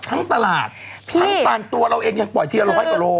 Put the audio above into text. ทั้งตลาดทั้งตันตัวเราเองยังปล่อยทีละร้อยกว่าโล